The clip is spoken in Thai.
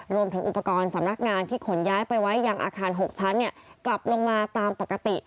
รวมถึงอุปกรณ์สำนักงานที่ขนย้ายไปไว้ยังอาคาร๖ชั้นกลับลงมาตามปกติ